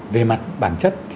về mặt bản chất